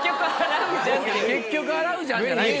「結局洗うじゃん」じゃない。